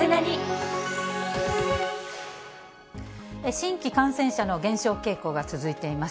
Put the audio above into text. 新規感染者の減少傾向が続いています。